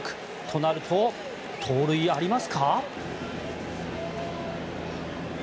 となると、盗塁ありますか？